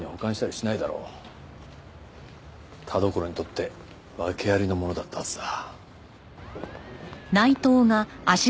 田所にとって訳ありのものだったはずだ。